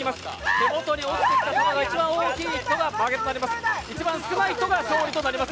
手元に落ちてきた玉が一番多い人が負けとなります。